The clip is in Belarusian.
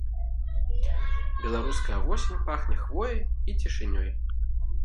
Беларуская восень пахне хвояй і цішынёй.